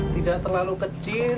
tidak terlalu kecil